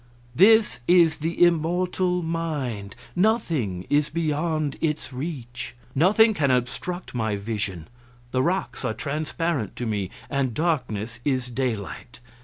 This is the immortal mind nothing is beyond its reach. Nothing can obstruct my vision; the rocks are transparent to me, and darkness is daylight.